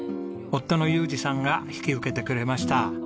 夫の裕次さんが引き受けてくれました。